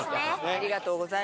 ありがとうございます。